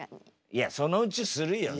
いやそのうちするよ。